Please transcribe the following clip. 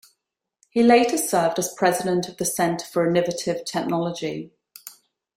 He later served as President of the Center for Innovative Technology.